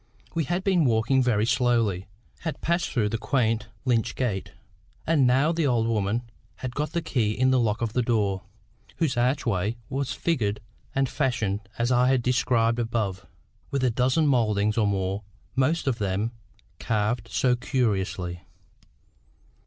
We had been walking very slowly, had passed through the quaint lych gate, and now the old woman had got the key in the lock of the door, whose archway was figured and fashioned as I have described above, with a dozen mouldings or more, most of them "carved so curiously."